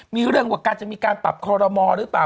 มีเรื่องว่าการจะมีการปรับคอรมอหรือเปล่า